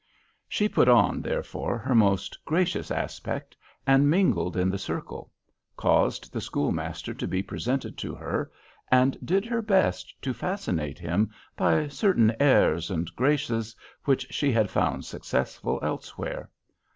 She put on, therefore, her most gracious aspect, and mingled in the circle; caused the schoolmaster to be presented to her, and did her best to fascinate him by certain airs and graces which she had found successful elsewhere.